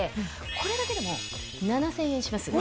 これだけでも７０００円します。